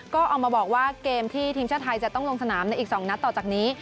ก็เอามาบอกว่าเกมที่ทีมชาติไทยจะต้องลงสนามในอีก๒นัดต่อจากนี้